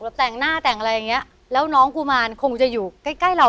แต่งหน้าแต่งอะไรอย่างเงี้ยแล้วน้องกุมารคงจะอยู่ใกล้ใกล้เรา